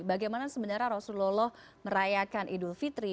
bagaimana sebenarnya rasulullah merayakan idul fitri